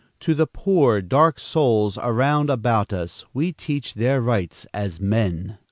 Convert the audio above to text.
To the poor, dark souls around about us we teach their rights as men.'"